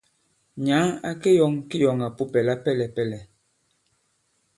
Nyǎŋ a keyɔ̂ŋ kiyɔ̀ŋàpupɛ̀ lapɛlɛ̀pɛ̀lɛ̀.